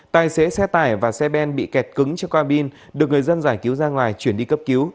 tài xế xe tải và xe bên bị kẹt cứng cho cabin được người dân giải cứu ra ngoài chuyển đi cấp cứu